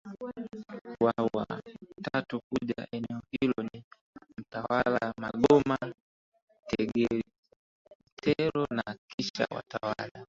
wa wa tatu kuja eneo hilo ni Mtawala Magoma wa Tegetero na kisha watawala